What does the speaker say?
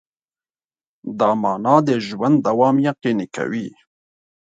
دا مانا د ژوند دوام یقیني کوي.